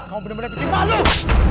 kamu benar benar pimpin